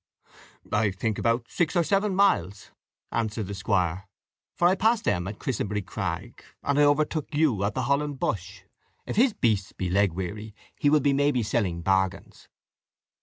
"I think about six or seven miles," answered the squire, "for I passed them at the Christenbury Crag, and I overtook you at the Hollan Bush. If his beasts be leg weary, he will be maybe selling bargains."